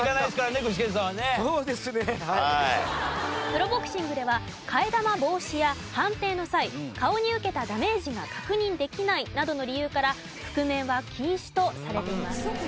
プロボクシングでは替え玉防止や判定の際顔に受けたダメージが確認できないなどの理由から覆面は禁止とされています。